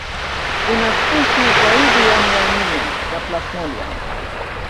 Kuna spishi zaidi ya mia nne za plasmodium